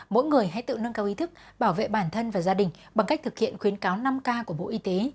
mỗi người hãy tự nâng cao ý thức bảo vệ bản thân và gia đình bằng cách thực hiện khuyến cáo năm k của bộ y tế